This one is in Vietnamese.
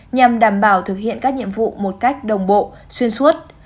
nhằm đảm bảo thực hiện các nhiệm vụ một cách đồng bộ xuyên suốt